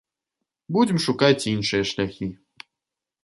Будзем шукаць іншыя шляхі.